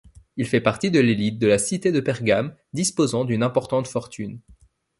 Il fait partie de l'élite de la cité de Pergame, disposant d'une importante fortune.